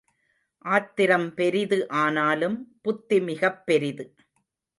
ஆத்திரம் பெரிது ஆனாலும் புத்தி மிகப் பெரிது.